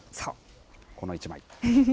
この１枚。